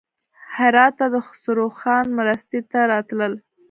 هراته د خسروخان مرستې ته راتلل.